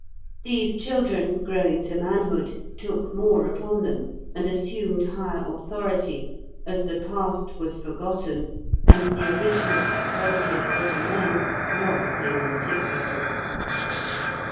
These children, growing to manhood, took more upon them, and assumed higher authority as the past was forgotten, and the original equality of all men lost in antiquity.